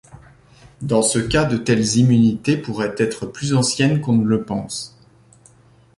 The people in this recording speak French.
Dans ce cas, de telles immunités pourraient être plus anciennes qu’on ne le pense.